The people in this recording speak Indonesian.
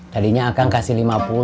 tadinya akang kasih lima puluh